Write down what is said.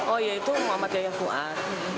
oh ya itu muhammad yaya fuad